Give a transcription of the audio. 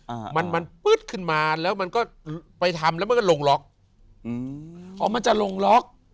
อ่ามันมันปึ๊ดขึ้นมาแล้วมันก็ไปทำแล้วมันก็ลงล็อกอืมอ๋อมันจะลงล็อก